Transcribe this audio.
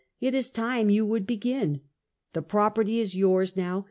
It is time yon would begin. The property is yours now.